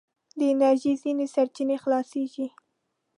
د انرژي ځينې سرچينې خلاصیږي.